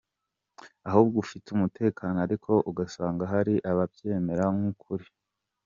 ahubwo ufite umutekano ariko ugasanga hari ababyemera nk’ukuri